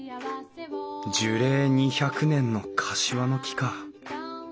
樹齢２００年のカシワの木か。